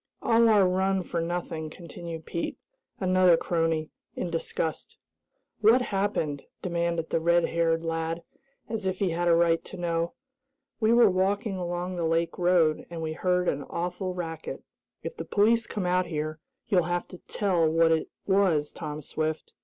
"All our run for nothing," continued Pete, another crony, in disgust. "What happened?" demanded the red haired lad, as if he had a right to know. "We were walking along the lake road, and we heard an awful racket. If the police come out here, you'll have to tell what it was, Tom Swift."